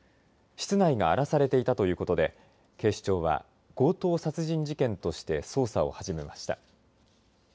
室内が荒らされていたということで警視庁は強盗殺人事件として捜査を始めました。